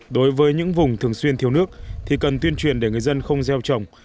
đối với những vùng thường xuyên thiếu nước thì cần tuyên truyền để người dân không gieo trồng